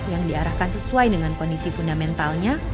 yang diarahkan sesuai dengan kondisi fundamentalnya